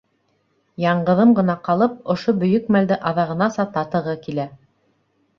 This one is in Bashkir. Яңғыҙым ғына ҡалып, ошо бөйөк мәлде аҙағынаса татығы килә.